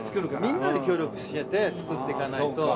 みんなで協力し合って作っていかないと。